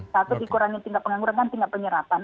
satu ikurannya tingkat pengangguran kan tingkat penyerapan